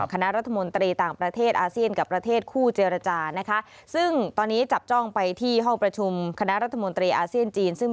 คณะรัฐมนตรีต่างประเทศอาเซียนกับประเทศคู่เจรจานะคะซึ่งตอนนี้จับจ้องไปที่ห้องประชุมคณะรัฐมนตรีอาเซียนจีนซึ่ง